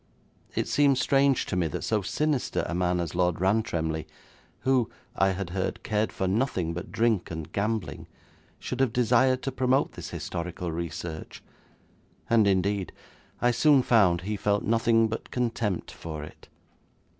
It seemed strange to me that so sinister a man as Lord Rantremly, who, I had heard, cared for nothing but drink and gambling, should have desired to promote this historical research, and, indeed, I soon found he felt nothing but contempt for it.